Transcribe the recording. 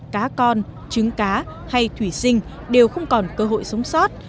cá con trứng cá hay thủy sinh đều không còn cơ hội sống sót